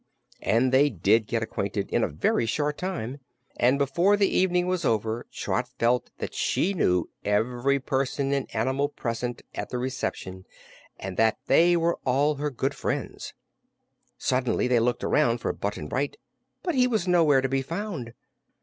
And they did get acquainted, in a very short time, and before the evening was over Trot felt that she knew every person and animal present at the reception, and that they were all her good friends. Suddenly they looked around for Button Bright, but he was nowhere to be found.